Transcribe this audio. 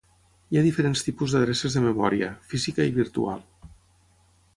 Hi ha diferents tipus d'adreces de memòria: física i virtual.